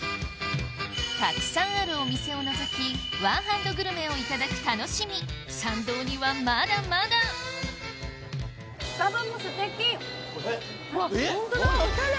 たくさんあるお店をのぞきワンハンドグルメをいただく楽しみ参道にはまだまだわっほんとだおしゃれ！